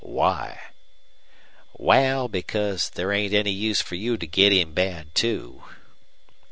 "Why?" "Wal, because there ain't any use fer you to git in bad, too."